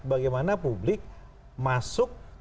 bagaimana publik masuk